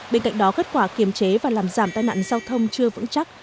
bên cạnh đó kết quả kiềm chế và làm giảm tai nạn giao thông chưa vững chắc